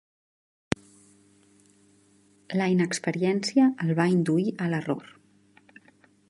La inexperiència el va induir a l'error.